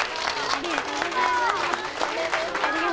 ありがとうございます。